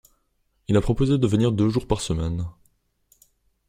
Il a proposé de venir deux jours par semaine.